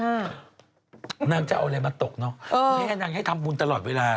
นางจะเอาอะไรมาตกนะนางให้ทำวัลตะรอดเวลา